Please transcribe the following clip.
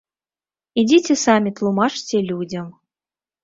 Ідзіце самі тлумачце людзям.